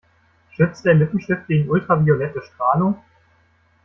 Schützt der Lippenstift gegen ultraviolette Strahlung?